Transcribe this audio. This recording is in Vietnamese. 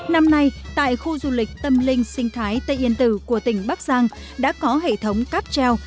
năm nay tại khu du lịch tâm linh sinh thái tây yên tử của tỉnh bắc giang đã có hệ thống cáp treo